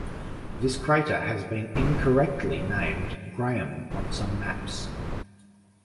This crater has been incorrectly named 'Graham' on some maps.